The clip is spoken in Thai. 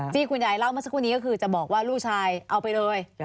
ที่คุณยายเล่าเมื่อสักครู่นี้ก็คือจะบอกว่าลูกชายเอาไปเลย